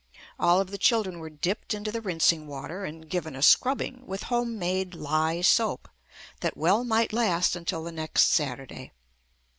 All of the chil dren were dipped into the rinsing water and given a scrubbing with home made lye soap that well might last until the next Saturday.